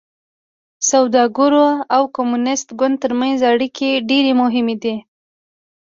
سوداګرو او کمونېست ګوند ترمنځ اړیکې ډېرې مهمې دي.